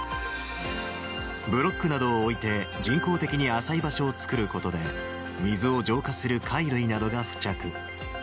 ブロックなどを置いて、人工的に浅い場所を作ることで、水を浄化する貝類などが付着。